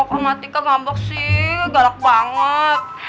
kok kamu sama tika ngambek sih galak banget